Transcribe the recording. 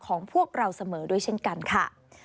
ของพวกเราเสมอด้วยเช่นกันค่ะ